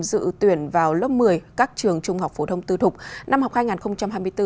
dự tuyển vào lớp một mươi các trường trung học phổ thông tư thục năm học hai nghìn hai mươi bốn hai nghìn hai mươi năm